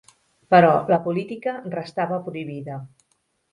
Però la política restava prohibida.